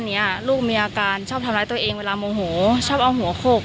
เนี้ยลูกมีอาการชอบทำร้ายตัวเองเวลาโมโหชอบเอาหัวโขก